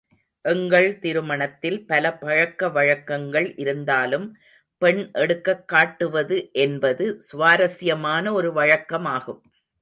எங்கள் திருமணத்தில் பல பழக்க வழக்கங்கள் இருந்தாலும் பெண் எடுக்கிக் காட்டுவது என்பது சுவாரஸ்யமான ஒரு வழக்கமாகும்.